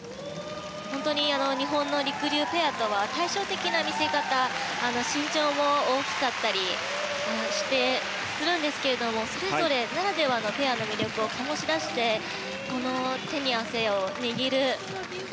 日本のりくりゅうペアとは対照的な見せ方身長も大きかったりするんですけどもそれぞれ、ならではのペアの魅力を醸し出して手に汗握る